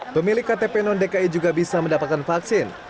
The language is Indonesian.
pemilik ktp non dki juga bisa mendapatkan vaksin